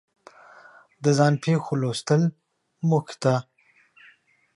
د ځان پېښو لوستل موږ ته